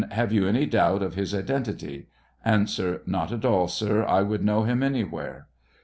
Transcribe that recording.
Have you any doubt of his identity ? A. Not at all, sir; I should Icnow him anywhere.